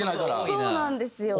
そうなんですよ。